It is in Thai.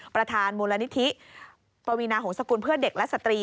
ประธานมูลนิธิปวีนาหงษกุลเพื่อเด็กและสตรี